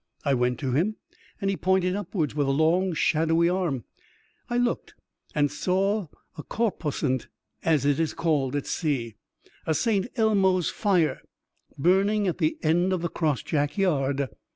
I went to him, and he pointed upwards, with a long shadowy arm. I looked, and saw a corposant, as it is called at sea — a St. Elmo's fire — ^burning at the end of the crossjack yard.